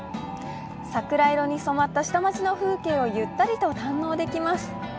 桜色に染まった下町の風景をゆったりと堪能できます。